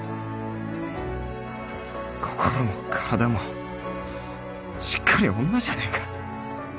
心も体もしっかり女じゃねえか